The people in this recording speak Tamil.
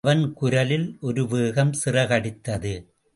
அவன் குரலில் ஒருவேகம் சிறகடித்தது!